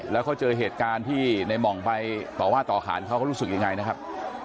แล้วเขาเจอเหตุการณ์ที่ในหม่องไปต่อว่าต่อขานเขาก็รู้สึกยังไงนะครับ